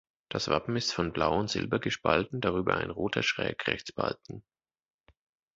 Das Wappen ist von Blau und Silber gespalten, darüber ein roter Schrägrechtsbalken.